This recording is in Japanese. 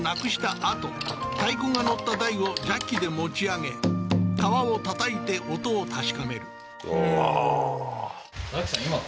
あと太鼓が載った台をジャッキで持ち上げ革をたたいて音を確かめるああー忠明さん